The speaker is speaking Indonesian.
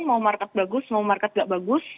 mau market bagus mau market nggak bagus